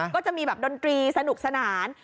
ก็จะมีแบบดนตรีสนุกสนาน